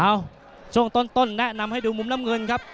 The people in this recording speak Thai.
ช่วงต้นแนะนำให้ดูมุมน้ำเงินครับ